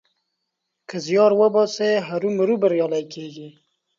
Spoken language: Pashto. که زيار وباسې؛ هرو مرو بريالی کېږې.